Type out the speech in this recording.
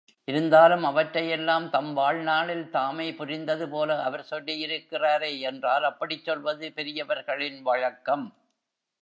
இருந்தாலும் அவற்றையெல்லாம் தம் வாழ்நாளில் தாமே புரிந்ததுபோல அவர் சொல்லியிருக்கிறாரே என்றால், அப்படிச் சொல்வது பெரியவர்களின் வழக்கம்.